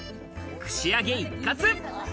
「串揚げ一喝」。